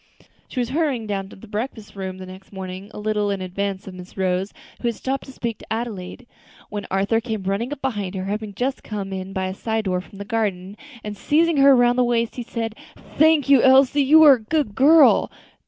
She was hurrying down to the breakfast room the next morning, a little in advance of Miss Rose, who had stopped to speak to Adelaide, when Arthur came running up behind her, having just come in by a side door from the garden, and seizing her round the waist, he said, "Thank you, Elsie; you're a real good girl!